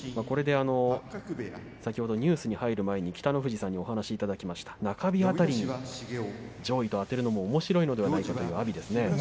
これでニュースに入る前に北の富士さんにお話をいただきました中日辺り上位とあてるのもおもしろいんではないかというですね。